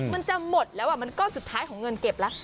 มันจะหมดแล้วมันก็สุดท้ายของเงินเก็บแล้ว